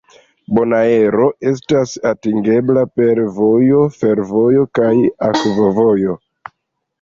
Bonaero estas atingebla per vojo, fervojo, kaj akvovojo.